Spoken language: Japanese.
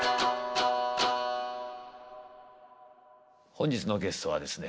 本日のゲストはですね